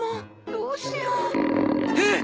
どうしよう。